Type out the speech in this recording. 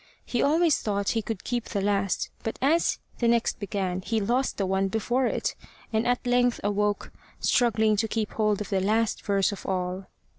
He always thought he could keep the last, but as the next began he lost the one before it, and at length awoke, struggling to keep hold of the last verse of all.